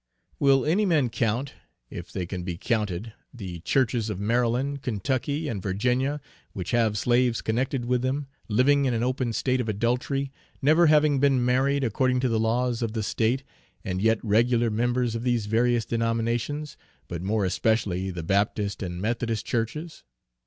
Will any man count, if they can be counted, the churches of Maryland, Kentucky, and Virginia, which have slaves connected with them, living in an open state of adultery, never having been married according to the laws of the State, and yet regular members of these various denominations, but more especially the Baptist and Methodist churches?